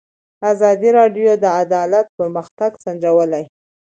ازادي راډیو د عدالت پرمختګ سنجولی.